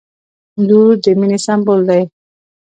• لور د مینې سمبول دی.